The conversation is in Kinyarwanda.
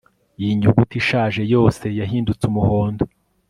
Iyi nyuguti ishaje yose yahindutse umuhondo